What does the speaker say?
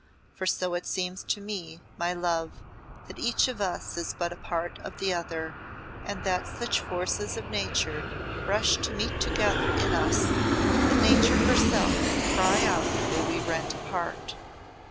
for so it seems to me, my love, that each of us is but a part of the other, and that such forces of Nature rush to meet together in us, that Nature herself would cry out were we rent apart.